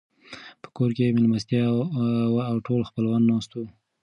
په کور کې مېلمستيا وه او ټول خپلوان ناست وو.